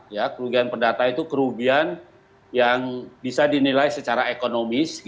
ya kerugian perdata itu kerugian yang bisa dinilai secara ekonomis